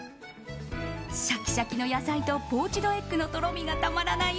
シャキシャキの野菜とポーチドエッグのとろみがたまらない